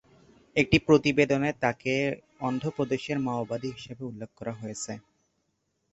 একটি প্রতিবেদনে তাকে অন্ধ্রপ্রদেশের মাওবাদী হিসেবে উল্লেখ করা হয়েছে।